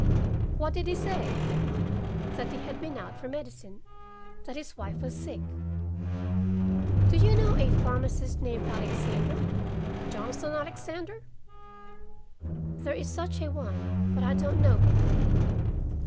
"What did he say?" "That he had been out for medicine. That his wife was sick." "Do you know a pharmacist named Alexander Jonathan Alexander?" "There is such a one, but I don't know him."